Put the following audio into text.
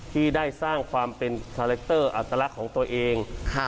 ที่ได้สร้างความเป็นคาแรคเตอร์อัตลักษณ์ของตัวเอง